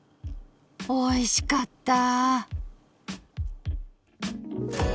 おいしかった。